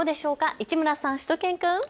市村さん、しゅと犬くん。